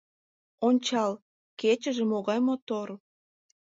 Ончал, кечыже могай мотор!